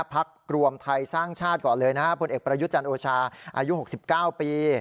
พักรวมไทยสร้างชาติก่อนเลยนะฮะผลเอกประยุทธ์จันทร์โอชาอายุ๖๙ปี